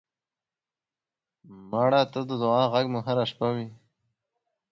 مړه ته د دعا غږ مو هر شپه وي